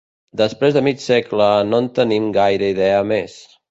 Després de mig segle, no en tenim gaire idea més.